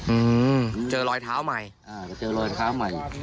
อืมเจอรอยเท้าใหม่อ่าไปเจอรอยเท้าใหม่